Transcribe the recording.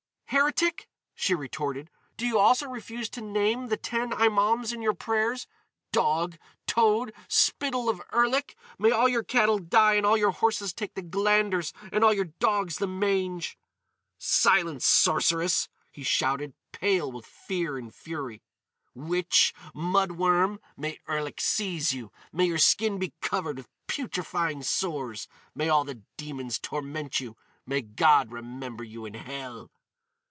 "Heretic!" she retorted. "Do you also refuse to name the ten Imaums in your prayers? Dog! Toad! Spittle of Erlik! May all your cattle die and all your horses take the glanders and all your dogs the mange!" "Silence, sorceress!" he shouted, pale with fear and fury. "Witch! Mud worm! May Erlik seize you! May your skin be covered with putrefying sores! May all the demons torment you! May God remember you in hell!"